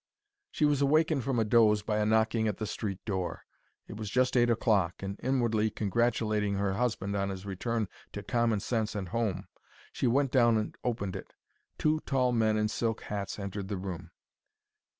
She was awakened from a doze by a knocking at the street door. It was just eight o'clock, and, inwardly congratulating her husband on his return to common sense and home, she went down and opened it. Two tall men in silk hats entered the room.